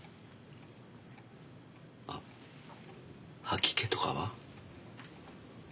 あ吐き気とかは？